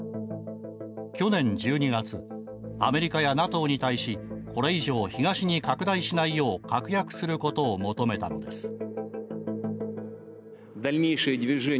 去年１２月アメリカやＮＡＴＯに対しこれ以上東に拡大しないよう確約することを求めたのです。